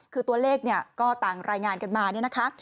คือตัวเลขเนี่ยก็ต่างรายงานกันมาเนี่ยนะคะ